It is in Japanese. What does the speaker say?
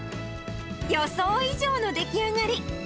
予想以上の出来上がり。